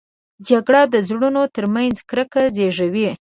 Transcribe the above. جګړه د زړونو تر منځ کرکه زېږوي